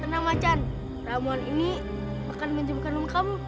tenang macan ramuan ini akan menjumpkan umur kamu